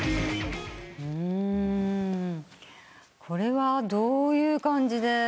これはどういう感じで？